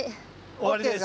終わりです。